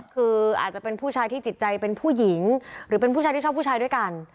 คืออาจจะเป็นผู้ชายที่จิตใจเป็นผู้หญิงหรือเป็นผู้ชายที่ชอบผู้ชายด้วยกัน